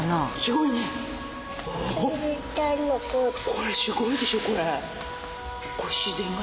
これすごいでしょこれ。